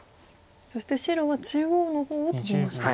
そして白は中央の方をトビました。